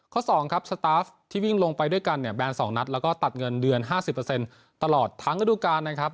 ๒ครับสตาฟที่วิ่งลงไปด้วยกันเนี่ยแนน๒นัดแล้วก็ตัดเงินเดือน๕๐ตลอดทั้งฤดูการนะครับ